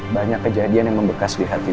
banyak kejadian yang membekas di hati